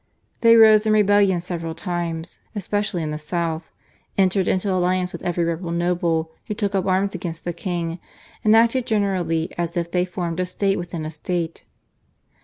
They rose in rebellion several times especially in the South, entered into alliance with every rebel noble who took up arms against the king, and acted generally as if they formed a state within a state.